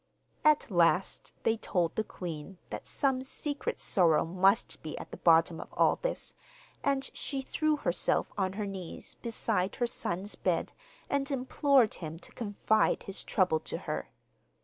At last they told the queen that some secret sorrow must be at the bottom of all this, and she threw herself on her knees beside her son's bed, and implored him to confide his trouble to her.